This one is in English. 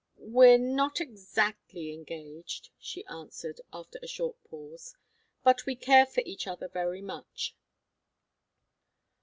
"We're not exactly engaged," she answered, after a short pause. "But we care for each other very much."